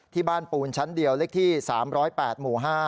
ที่บ้านปูนชั้นเดียวเลขที่๓๐๘หมู่๕